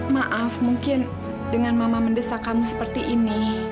maaf mungkin dengan mama mendesak kamu seperti ini